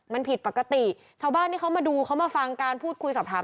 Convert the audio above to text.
มันผิดปกติชาวบ้านที่เขามาดูเขามาฟังการพูดคุยสอบถาม